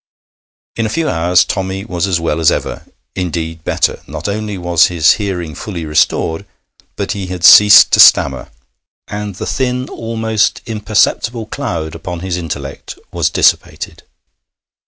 In a few hours Tommy was as well as ever indeed, better; not only was his hearing fully restored, but he had ceased to stammer, and the thin, almost imperceptible cloud upon his intellect was dissipated.